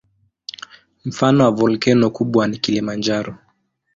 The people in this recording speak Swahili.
Mfano wa volkeno kubwa ni Kilimanjaro.